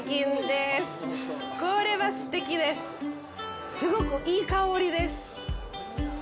すごくいい香りです。